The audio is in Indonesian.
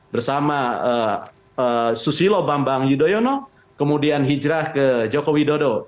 bersama susilo bambang yudhoyono kemudian hijrah ke jokowi dodo